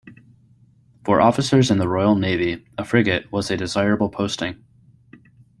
For officers in the Royal Navy, a frigate was a desirable posting.